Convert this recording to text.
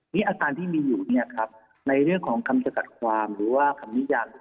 นี่อาการที่มีอยู่เนี่ยครับในเรื่องของคำสกัดความหรือว่าคำนิยัน